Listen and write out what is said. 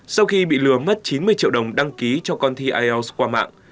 sau khi bị lừa mất chín mươi triệu đồng đăng ký cho con thi ielts qua mạng